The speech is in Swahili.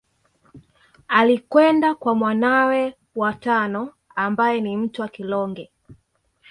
Alikwenda kwa mwanawe wa tano ambaye ni Mtwa Kilonge